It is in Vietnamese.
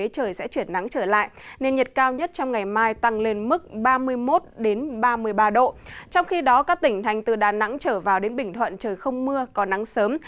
các tỉnh thành từ đà nẵng trở vào đến bình thuận trời không mưa có nắng sớm